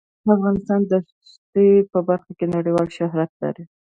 افغانستان د دښتې په برخه کې نړیوال شهرت لري.